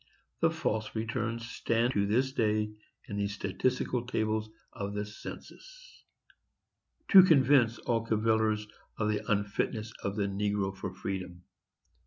The false returns stand to this day in the statistical tables of the census, to convince all cavillers of the unfitness of the negro for freedom.